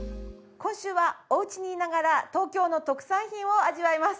今週はおうちにいながら東京の特産品を味わいます。